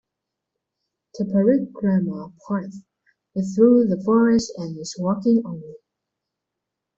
The parikrama path is through the forest and is walking only.